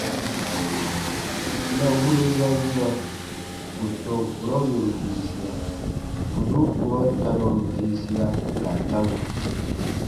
Ya wure ya yina bù tɔn kurɔ yòru diisia, bù nùn kurɔ tanaru diisia ka dam.